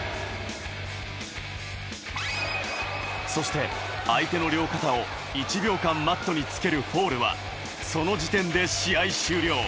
そして、相手の両肩を１秒間、マットにつけるフォールは、その時点で試合終了。